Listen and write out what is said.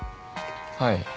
はい。